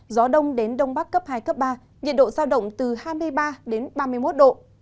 gió đông đến đông bắc cấp hai cấp ba nhiệt độ giao động từ hai mươi ba đến ba mươi một độ